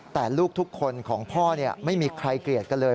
แต่ลูกทุกคนของพ่อไม่มีใครเกลียดกันเลย